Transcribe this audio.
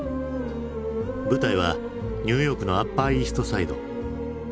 舞台はニューヨークのアッパーイーストサイド。